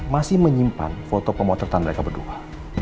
masih menyimpan foto pemotretan mereka berdua